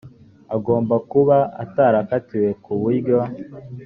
agomba kuba atarakatiwe ku buryo